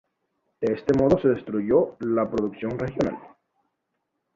De este modo se destruyó la producción regional.